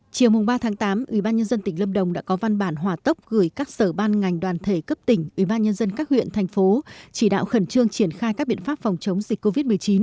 chiều ba tám ubnd tỉnh lâm đồng đã có văn bản hòa tốc gửi các sở ban ngành đoàn thể cấp tỉnh ubnd các huyện thành phố chỉ đạo khẩn trương triển khai các biện pháp phòng chống dịch covid một mươi chín